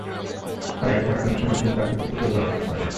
কারাগারে থাকাকালীন সময়ে তিনি তার স্মৃতি থেকে পুরো কুরআন রচনা করেছিলেন।